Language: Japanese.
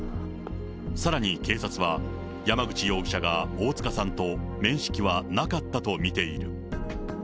さらに警察は、山口容疑者が大塚さんと面識はなかったと見ている。